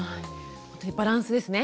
ほんとにバランスですね。